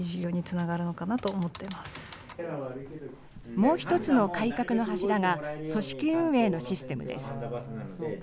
もう１つの改革の柱が、組織運営のシステムです。